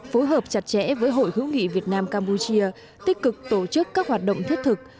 phối hợp chặt chẽ với hội hữu nghị việt nam campuchia tích cực tổ chức các hoạt động thiết thực